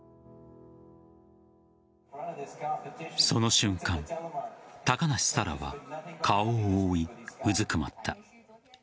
その瞬間高梨沙羅は顔を覆いうずくまった。